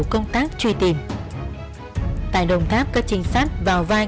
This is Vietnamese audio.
con thì mạnh hạt rồi